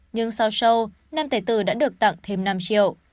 nhưng sau sâu nam tài tử đã được tặng thêm năm triệu